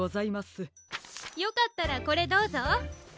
よかったらこれどうぞ。